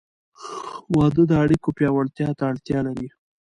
• واده د اړیکو پیاوړتیا ته اړتیا لري.